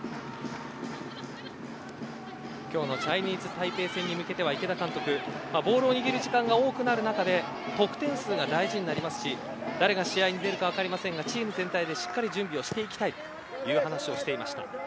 今日のチャイニーズタイペイ戦に向けては池田監督ボールを握る時間が多くなる中で得点数が多くなりますし誰が主軸になるか分かりませんがチーム全体でしっかりと準備をしていきたいという話をしていました。